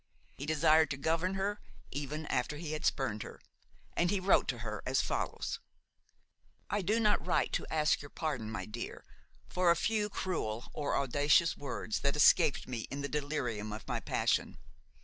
He desired to govern her even after he had spurned her; and he wrote to her as follows: "I do not write to ask your pardon, my dear, for a few cruel or audacious words that escaped me in the delirium of my passion.